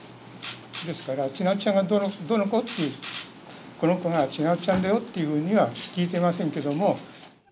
ですから、ちなつちゃんがどの子っていう、この子がちなつちゃんだよっていうふうには聞いていませんけども。